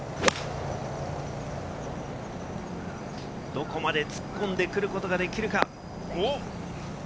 どこまで突っ込んでくることができるか。